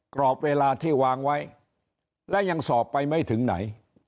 กรอบเวลาที่วางไว้และยังสอบไปไม่ถึงไหน